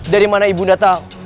dari mana ibu datang